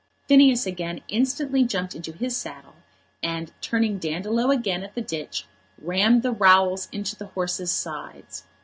Phineas again instantly jumped into his saddle, and turning Dandolo again at the ditch, rammed the rowels into the horse's sides.